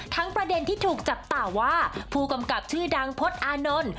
ประเด็นที่ถูกจับตาว่าผู้กำกับชื่อดังพจน์อานนท์